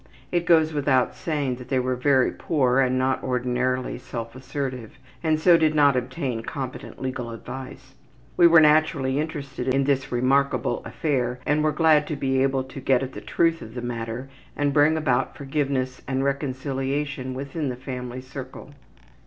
It goes without saying that they were very poor and not ordinarily self assertive, and so did not obtain competent legal advice. We were naturally interested in this remarkable affair and were glad to be able to get at the truth of the matter and bring about forgiveness and reconciliation within the family circle.